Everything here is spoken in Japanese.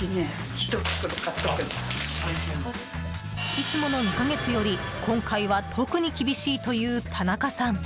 いつもの２か月より今回は特に厳しいという田中さん。